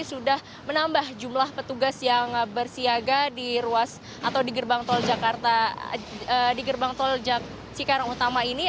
sudah menambah jumlah petugas yang bersiaga di gerbang tol cikarang utama ini